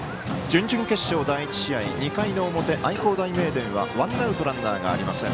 準々決勝、第１試合２回の表、愛工大名電はワンアウト、ランナーありません。